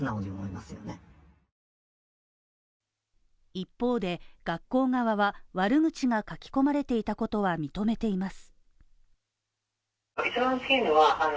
一方で、学校側は悪口が書き込まれていたことは認めています。